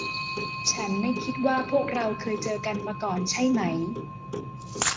ฉันไม่คิดว่าพวกเราเคยเจอกันมาก่อน ใช่ไหม ?